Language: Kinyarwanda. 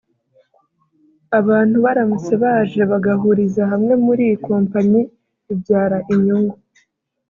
Abantu baramutse baje bagahuriza hamwe muri kompanyi ibyara inyungu